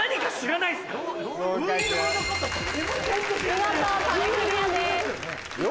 見事壁クリアです。